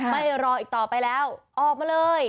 ไม่รออีกต่อไปแล้วออกมาเลย